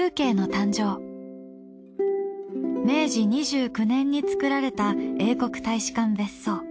明治２９年に作られた英国大使館別荘。